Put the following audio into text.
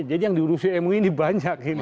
jadi yang diurusi mui ini banyak